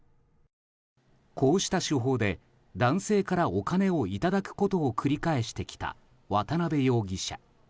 こうした手法で男性からお金を頂くことを繰り返してきた渡邊容疑者。